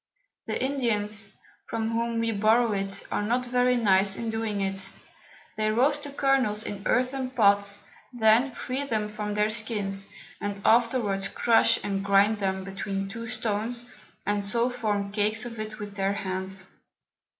The Indians, from whom we borrow it, are not very nice in doing it; they roast the Kernels in earthen Pots, then free them from their Skins, and afterwards crush and grind them between two Stones, and so form Cakes of it with their Hands.